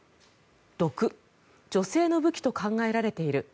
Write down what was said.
毒、女性の武器と考えられている。